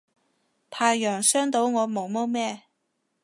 太陽傷到我毛毛咩